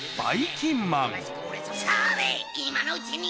それ今のうちに！